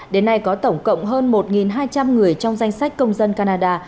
đến nay có tổng cộng hơn một hai trăm linh người trong danh sách công dân canada